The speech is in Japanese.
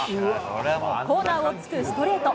コーナーを突くストレート。